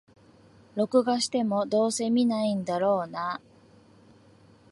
録画しても、どうせ観ないんだろうなあ